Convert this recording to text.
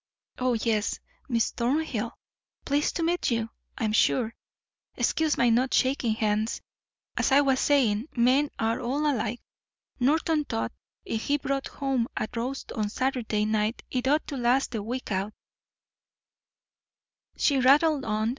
oh yes, Miss Thornhill, pleased to meet you, I'm sure excuse my not shaking hands as I was saying, men are all alike Norton thought if he brought home a roast on Saturday night it ought to last the week out " She rattled on.